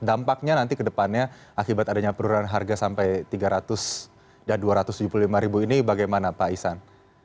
dampaknya nanti ke depannya akibat adanya penurunan harga sampai tiga ratus dan dua ratus tujuh puluh lima ini bagaimana pak isan